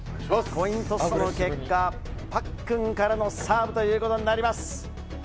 コイントスの結果パックンからのサーブとなります。